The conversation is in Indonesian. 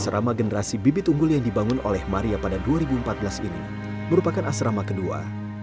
asrama generasi bibit unggul yang dibangun oleh maria pada dua ribu empat belas ini merupakan asrama kedua